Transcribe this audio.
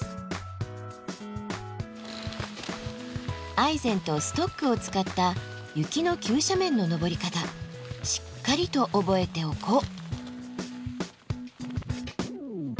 アイゼンとストックを使った雪の急斜面の登り方しっかりと覚えておこう。